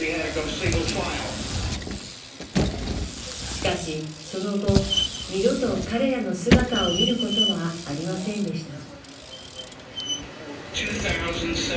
しかし、その後二度と彼らの姿を見ることはありませんでした。